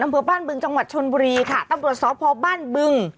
อำเภอบ้านบึงจังหวัดชนบุรีค่ะตำรวจสพบ้านบึง